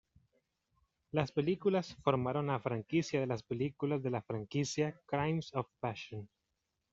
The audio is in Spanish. Las películas formaron la franquicia de las películas de la franquicia "Crimes of Passion".